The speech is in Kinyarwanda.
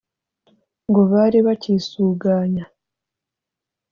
ngo bari bakisuganya